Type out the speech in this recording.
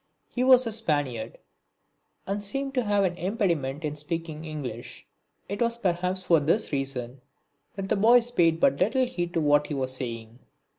He was a Spaniard and seemed to have an impediment in speaking English. It was perhaps for this reason that the boys paid but little heed to what he was saying.